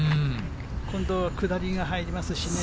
今度、下りが入りますしね。